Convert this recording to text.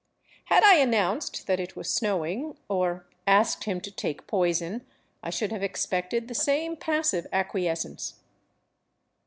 Had I announced that it was snowing, or asked him to take poison, I should have expected the same passive acquiescence.